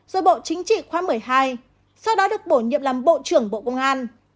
rồi bộ chính trị khóa một mươi hai sau đó được bổ nhiệm làm bộ trưởng bộ công an